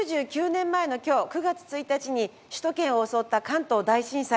９９年前の今日９月１日に首都圏を襲った関東大震災。